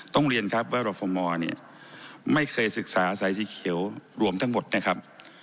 ต้องเรียนครับว่ารฟมอร์นี่ไม่เคยศึกษาไซส์ที่เขียวรวมทั้งหมดนะครับ